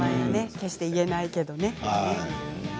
決して言えないけどね。